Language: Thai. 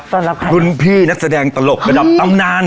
ต้อนรับใครนะครับรุ่นพี่นักแสดงตลกประดับตำนาน